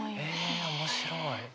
え面白い。